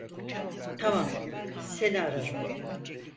Tamam, seni ararım.